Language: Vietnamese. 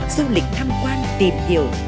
du lịch thăm quan tìm hiểu